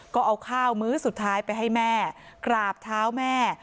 ก็เอาข้าวมื้อสุดท้ายไปให้แม่กราบเท้าแม่